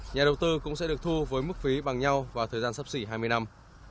nhà đầu tư cũng sẽ được thu với mức phí bằng nhau vào thời gian sắp xỉ hai mươi năm